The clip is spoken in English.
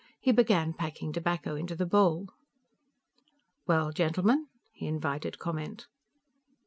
He began packing tobacco into the bowl. "Well, gentlemen?" He invited comment.